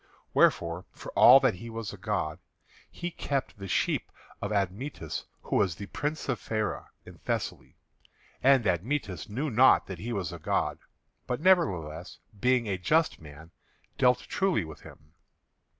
Wherefore, for all that he was a god, he kept the sheep of Admetus, who was the Prince of Pheræ in Thessaly. And Admetus knew not that he was a god; but, nevertheless, being a just man, dealt truly with him.